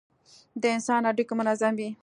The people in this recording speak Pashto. د انسان هډوکى منظم وي.